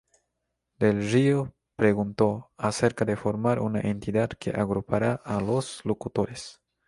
Del Río preguntó acerca de formar una entidad que agrupara a los locutores.